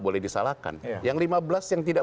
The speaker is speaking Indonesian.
boleh disalahkan yang lima belas yang tidak